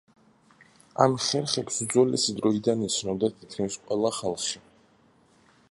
ამ ხერხებს უძველესი დროიდან იცნობდა თითქმის ყველა ხალხი.